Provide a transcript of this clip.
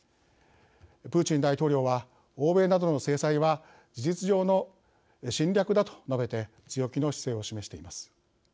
プーチン大統領は「欧米などの制裁は事実上の侵略だ」と述べて強気の姿勢を示しています。